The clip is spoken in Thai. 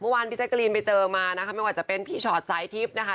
เมื่อวานพี่จักรีนไปเจอมานะคะไม่ว่าจะเป็นพี่ชอตไซด์ทิศนะคะ